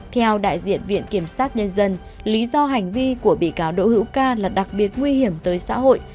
theo đại diện viện kiểm sát nhân dân lý do hành vi của bị cáo đỗ hữu ca là đặc biệt nguy hiểm tới xã hội